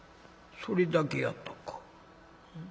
「それだけやったか。